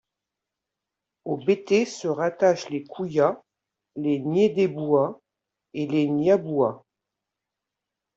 Aux Bétés se rattachent les Kouya, les Niédéboua et les Niaboua.